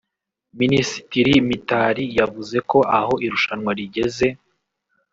Minisitiri Mitali yavuze ko aho irushanwa rigeze